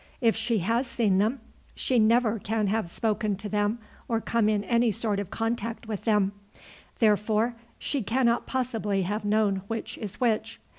If she has seen them, she never can have spoken to them or come in any sort of contact with them, therefore she cannot possibly have known which is which.